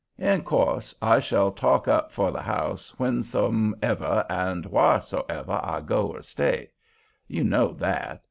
In course I shall talk up for the house whensomever and wharsomever I go or stay. You know that.